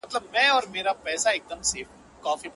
زه د دردونو د پاچا په حافظه کي نه يم,